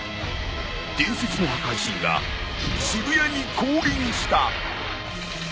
伝説の破壊神が渋谷に降臨した。